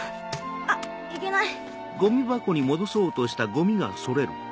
あっいけない！